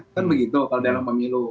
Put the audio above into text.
kan begitu kalau dalam pemilu